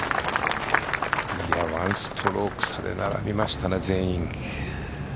１ストローク差で並びましたね全員。